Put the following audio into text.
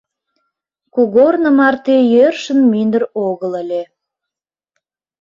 Кугорно марте йӧршын мӱндыр огыл ыле.